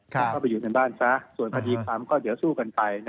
เข้าไปอยู่ในบ้านเถอะส่วนพระธิกรรมก็เดี๋ยวสู้กันไป